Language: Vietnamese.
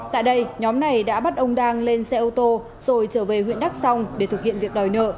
tại đây nhóm này đã bắt ông đang lên xe ô tô rồi trở về huyện đắk song để thực hiện việc đòi nợ